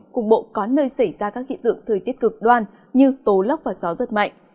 cục bộ có nơi xảy ra các hiện tượng thời tiết cực đoan như tố lốc và gió rất mạnh